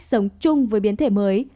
sống chung với biến thể mới